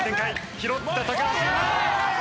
拾った橋。